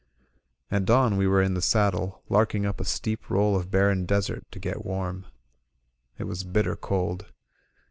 At dawn we were in the saddle, larking up a steep roll of barren desert to get warm. It was bitter cold.